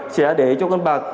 sẽ để cho con bạc